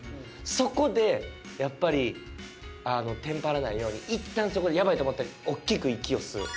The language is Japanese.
そこでやっぱりあのテンパらないようにいったんそこで「やばい」と思ったら大きく息を吸う。